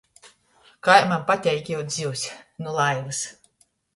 Kai maņ pateik giut zivs — nu laivys!